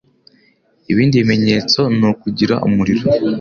Ibindi bimenyetso ni ukugira umuriro